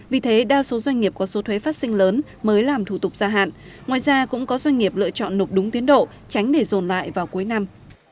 vì thế đa số doanh nghiệp có số thuế phát sinh lớn mới làm thủ tục gia hạn ngoài ra cũng có doanh nghiệp lựa chọn nộp đúng tiến độ tránh để dồn lại vào cuối năm